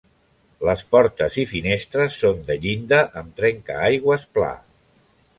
Les portes i finestres són de llinda amb trencaaigües pla.